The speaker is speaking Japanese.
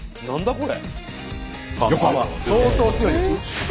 これ。